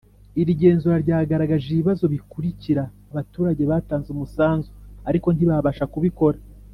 Iri genzura ryagaragaje ibibazo bikurikira abaturage batanze umusanzu ariko ntibabasha kubikora